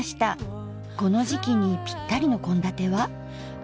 この時期にぴったりの献立は？